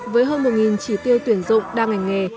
với hơn một chỉ tiêu tuyển dụng đa ngành nghề